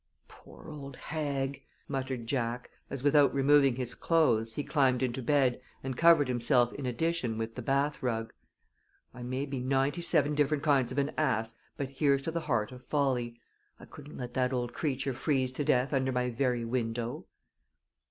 "Poor old hag!" muttered Jack as, without removing his clothes, he climbed into bed and covered himself in addition with the bath rug. "I may be ninety seven different kinds of an ass, but here's to the Heart of Folly! I couldn't let that old creature freeze to death under my very window."